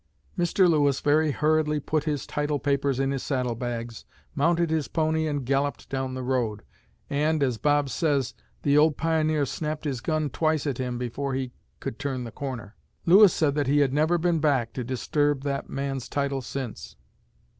Mr. Lewis very hurriedly put his title papers in his saddlebags, mounted his pony and galloped down the road, and, as Bob says, the old pioneer snapped his gun twice at him before he could turn the corner. Lewis said that he had never been back to disturb that man's title since.